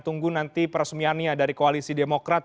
tunggu nanti peresmiannya dari koalisi demokrat